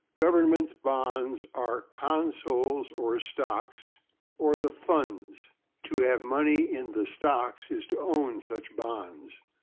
Government bonds are /consols/, or /stocks/, or the /funds/. To have /money in the stocks/ is to own such bonds.